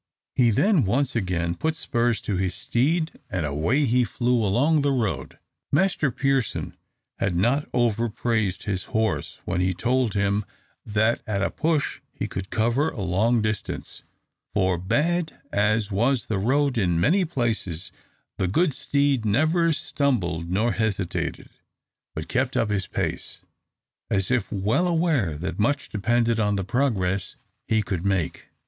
He then once again put spurs to his steed, and away he flew along the road Master Pearson had not over praised his horse when he told him that at a push he could cover a long distance, for, bad as was the road in many places, the good steed never stumbled nor hesitated, but kept up his pace, as if well aware that much depended on the progress he could make.